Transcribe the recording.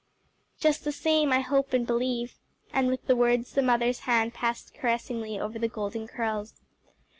"Just the same, I hope and believe;" and with the words the mother's hand passed caressingly over the golden curls.